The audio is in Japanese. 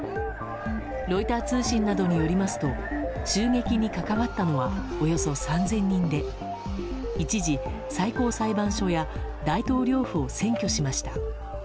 ロイター通信などによりますと襲撃に関わったのはおよそ３０００人で一時、最高裁判所や大統領府を占拠しました。